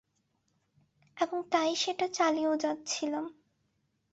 এবং তাই সেটা চালিয়েও যাচ্ছিলাম।